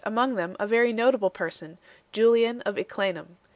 among them a very notable person, Julian of Eclanum.